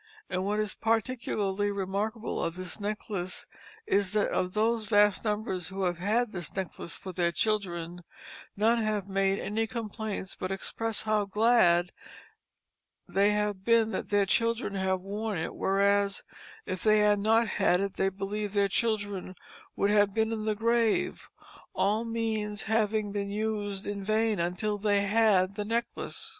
And what is particularly remarkable of this necklace is, that of those vast numbers who have had this necklace for their children, none have made any complaints but express how glad they have been that their children have worn it whereas if they had not had it, they believed their children would have been in the grave, all means having been used in vain until they had the necklace."